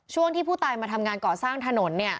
ช่วงที่ผู้ตายมาทำงานก่อสร้างถนน